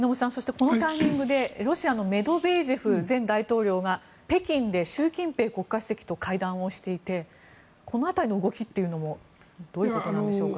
このタイミングでロシアのメドベージェフ前大統領が北京で習近平国家主席と会談をしていてこの辺りの動きはどうでしょうか。